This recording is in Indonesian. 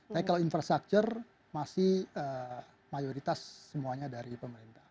tapi kalau infrastruktur masih mayoritas semuanya dari pemerintah